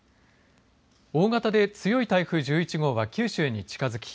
大型で強い台風１１号は九州に近づき